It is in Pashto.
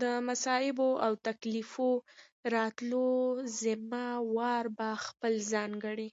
د مصائبو او تکاليفو راتللو ذمه وار به خپل ځان ګڼي